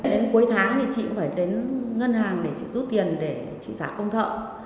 đến cuối tháng thì chị cũng phải đến ngân hàng để chị rút tiền để chị giả công thợ